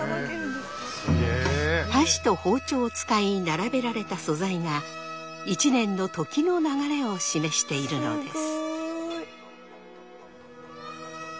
箸と包丁を使い並べられた素材が一年の時の流れを示しているのです。